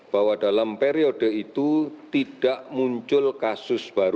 bahwa dalam perkembangan ini kita harus mencari penyakit yang lebih baik